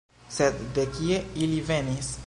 Sed de kie ili venis?